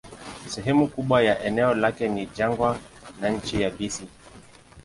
Sehemu kubwa ya eneo lake ni jangwa na nchi yabisi.